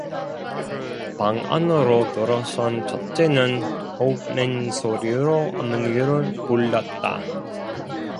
방 안으로 들어선 첫째는 목멘 소리로 어머니를 불렀다.